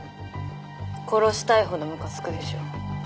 殺したいほどむかつくでしょ。